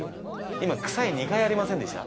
今臭い２回ありませんでした？